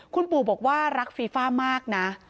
คุณปู่บอกว่ารักฟีฟ่ามากนะ